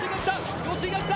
吉居が来た！